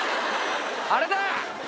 あれだ！